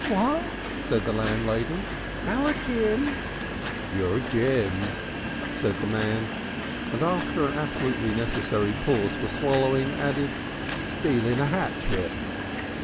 "What!" said the landlady. "Our Jim?" "Your Jim," said the man, and after an absolutely necessary pause for swallowing, added: "Stealin' a 'atchet."